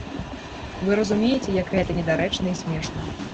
Вы разумееце, як гэта недарэчна і смешна.